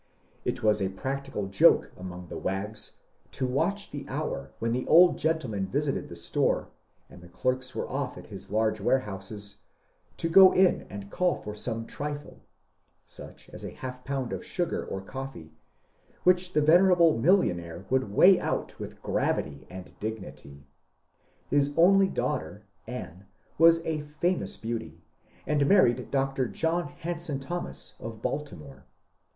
It was a practical joke among the wags to watch the hour when the old gentleman visited the store, and the clerks were off at his large warehouses, to go in and call for some trifle, — such as a half pound of sugar or coffee, — which the venerable millionaire would weigh out with gravity and dignity. His only daughter, Anne, was a famous beauty, and married Dr. John Hanson Thomas of Baltimore.